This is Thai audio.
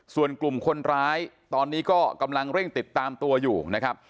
ส่วนกลุ่มคนร้ายตอนนี้ก็กำลังเร่งติดตามตัวอยู่นะครับ